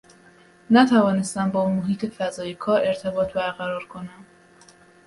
نتوانستم با محیط فضای کار ارتباط برقرار کنم